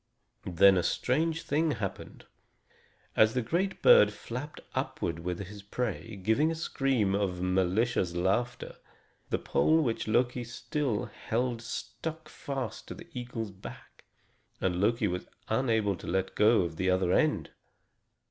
Then a strange thing happened. As the great bird flapped upward with his prey, giving a scream of malicious laughter, the pole which Loki still held stuck fast to the eagle's back, and Loki was unable to let go of the other end.